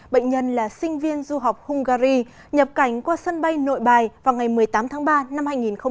bệnh nhân là sinh viên du học hungary nhập cảnh qua sân bay nội bài vào ngày một mươi tám tháng ba năm hai nghìn hai mươi